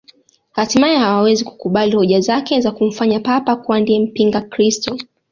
Hatimaye hawawezi kukubali hoja zake za kumfanya Papa kuwa ndiye mpingakristo